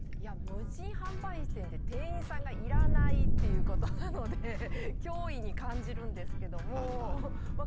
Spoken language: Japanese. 無人販売店って店員さんが要らないということなので脅威に感じるんですけども。